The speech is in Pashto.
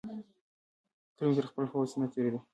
تره مې تر خپل هوس نه تېرېدو.